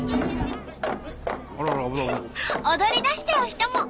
踊りだしちゃう人も！